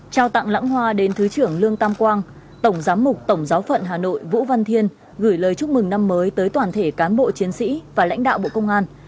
trao tặng lãng hoa đến thứ trưởng lương tam quang tổng giám mục tổng giáo phận hà nội vũ văn thiên gửi lời chúc mừng năm mới tới toàn thể cán bộ chiến sĩ và lãnh đạo bộ công an